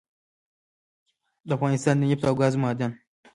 دافغانستان دنفت او ګازو معادن